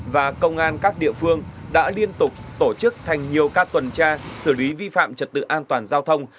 và công an các địa phương đã liên tục tổ chức thành nhiều các tuần tra xử lý vi phạm trật tự an toàn giao thông